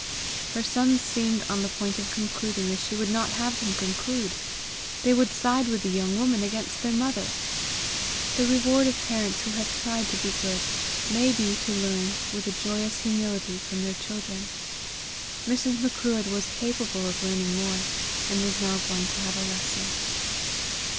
Her sons seemed on the point of concluding as she would not have them conclude: they would side with the young woman against their mother! The reward of parents who have tried to be good, may be to learn, with a joyous humility from their children. Mrs. Macruadh was capable of learning more, and was now going to have a lesson.